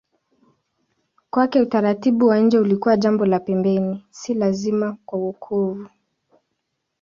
Kwake utaratibu wa nje ulikuwa jambo la pembeni, si lazima kwa wokovu.